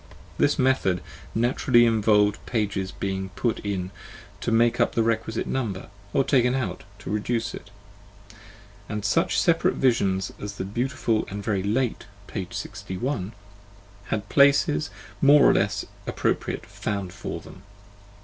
This method naturally involved pages being put in to make up the requisite number, or taken out to reduce it: and such separate visions as the beautiful and very late p. 61 had places, more or less appropriate, found for them.